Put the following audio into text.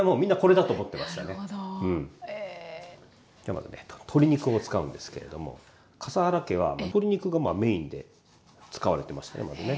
まずね鶏肉を使うんですけれども笠原家は鶏肉がメインで使われてましたねまずね。